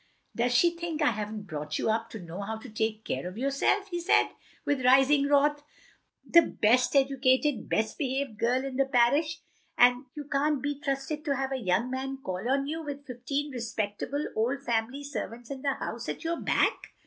'* "Does she think I haven't brought you up to know how to take care of yourself —" he said, with rising wrath, "the best educated, best behaved girl in the parish, — ^that you can't be trusted to have a yotmg man call on you, with fifteen respectable old family servants in the house, at your back?"